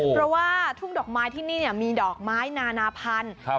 เพราะว่าทุ่งดอกไม้ที่นี่มีดอกไม้นานาพันธุ์